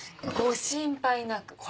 ご心配なく。